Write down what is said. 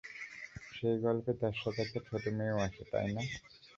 সেই গল্পে তার সাথে একটা ছোট মেয়েও আছে, তাই না?